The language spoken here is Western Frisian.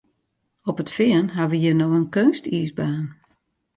Op it Fean ha we hjir no in keunstiisbaan.